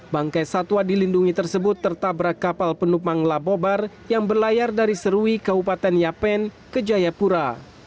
bangkai satwa dilindungi tersebut tertabrak kapal penumpang labobar yang berlayar dari serui kabupaten yapen ke jayapura